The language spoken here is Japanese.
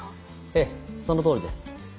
ええその通りです。